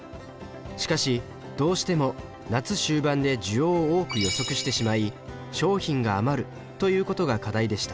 しかしどうしても夏終盤で需要を多く予測してしまい商品が余るということが課題でした。